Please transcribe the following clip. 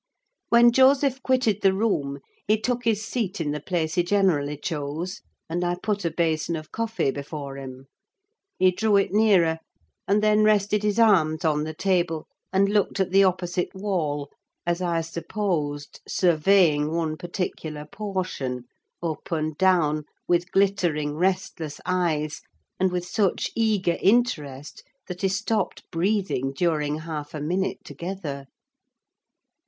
When Joseph quitted the room he took his seat in the place he generally chose, and I put a basin of coffee before him. He drew it nearer, and then rested his arms on the table, and looked at the opposite wall, as I supposed, surveying one particular portion, up and down, with glittering, restless eyes, and with such eager interest that he stopped breathing during half a minute together.